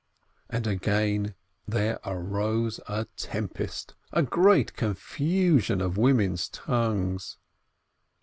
And again there arose a tempest, a great confusion of women's tongues.